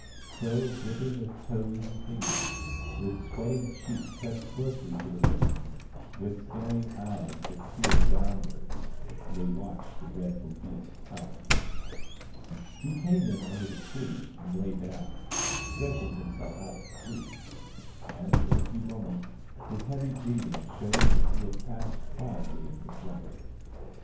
So, gripping with toes and fingers, with sweating cheeks pressed closely to the limbs, with staring eyes that peered downwards, they watched the dreadful beast come. He came in under the tree and lay down, stretch ing himself out to sleep ; and in a few moments his heavy breathing showed that he had passed quietly into slumber.